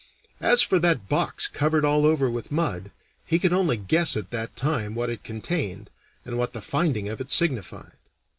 As for that box covered all over with mud, he could only guess at that time what it contained and what the finding of it signified.